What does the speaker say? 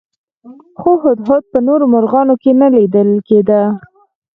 خو هدهد په نورو مرغانو کې نه لیدل کېده.